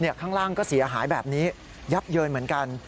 ข้างล่างก็เสียหายแบบนี้ยับเยินเหมือนกัน